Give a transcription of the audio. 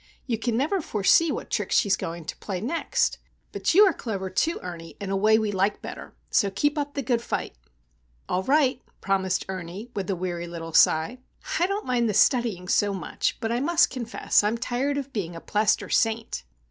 "You can never foresee what trick she is going to play next. But you are clever, too, Ernie, in a way we like better. So keep up the good fight!" "All right," promised Ernie, with a weary little sigh. "I don't mind the studying so much; but I must confess I'm tired of being a plaster saint!"